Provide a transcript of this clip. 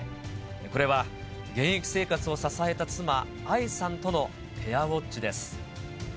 これは現役生活を支えた妻、愛さんとのペアウォッチです。